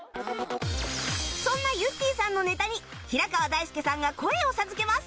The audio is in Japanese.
そんなゆってぃさんのネタに平川大輔さんが声を授けます